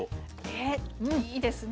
ねいいですね。